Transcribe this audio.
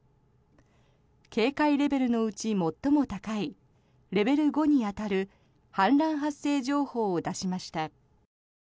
警戒レベルのうち最も高いレベル５に当たる氾濫発生情報を出しました。